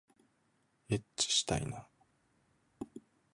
えっちしたいな